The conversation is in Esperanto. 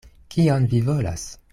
Kion vi volas?